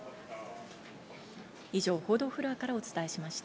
以上、報道フロアからお伝えしました。